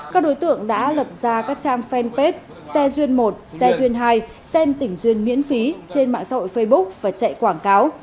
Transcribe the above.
các đối tượng đã lập ra các trang fanpage xe duyên một xe duyên hai xem tỉnh duyên miễn phí trên mạng xã hội facebook và chạy quảng cáo